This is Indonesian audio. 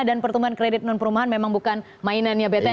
dan pertumbuhan kredit non perumahan memang bukan mainannya bpn